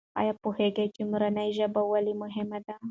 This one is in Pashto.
آیا پوهېږې چې مورنۍ ژبه ولې مهمه ده؟